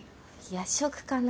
夜食かな？